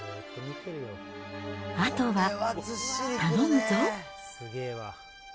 あとは頼むぞ。